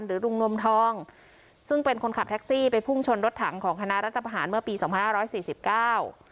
ลุงนวมทองซึ่งเป็นคนขับแท็กซี่ไปพุ่งชนรถถังของคณะรัฐประหารเมื่อปีสองพันห้าร้อยสี่สิบเก้า